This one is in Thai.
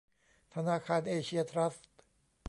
ธนาคารเอเชียทรัสต์